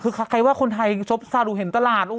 คือใครว่าคนไทยทรัพย์ซาหนูเห็นตลาด